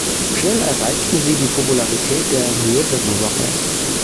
Schnell erreichten sie die Popularität der „Rhythm Rockers“.